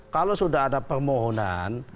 kalau sudah ada permohonan